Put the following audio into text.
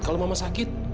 kalau mama sakit